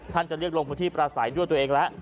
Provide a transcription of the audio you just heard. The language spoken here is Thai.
จะเรียกลงพื้นที่ประสัยด้วยตัวเองแล้ว